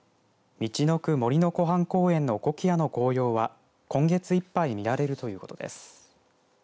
みちのく杜の湖畔公園のコキアの紅葉は今月いっぱい見られるということです。